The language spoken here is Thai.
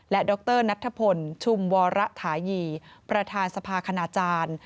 และดรนัทธพลชุมวรฐานีประธานสภาคณาจารย์